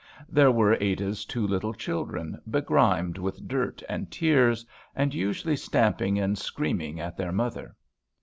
There were Ada's two little children, begrimed with dirt and tears, and usually stamping and screaming at their mother.